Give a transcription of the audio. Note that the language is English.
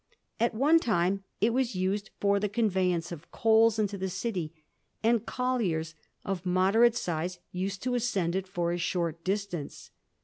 At one time it was used for the conveyance of coals into the city, and colliers of moderate size used to ascend it for a short distance.